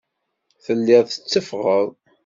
Telliḍ tetteffɣeḍ.